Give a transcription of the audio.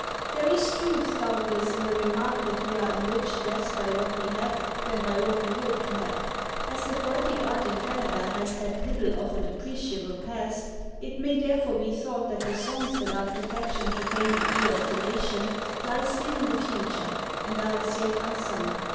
There is truth, doubtless, in the remark, that we are enriched less by what we have than by what we hope to have. As the poetic art in Canada has had little of an appreciable past, it may therefore be thought that the songs that are to catch and retain the ear of the nation lie still in the future, and are as yet unsung.